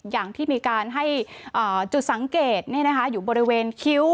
อย่างที่มีการให้อ่าจุดสังเกตนี่นะคะอยู่บริเวณคิ้ว